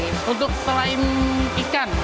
nah untuk selain ikan ada gak sih hewan